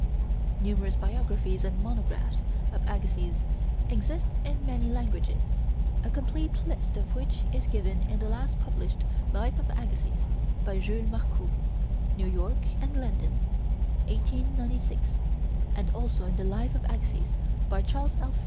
Numerous biographies and monographs of Agassiz exist in many languages, a complete list of which is given in the last published 'Life of Agassiz,' by Jules Marcou (New York and London, 1896), and also in the 'Life of Agassiz,' by Charles F.